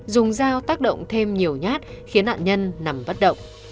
dùng dao tác động thêm nhiều nhát khiến nạn nhân nằm bất động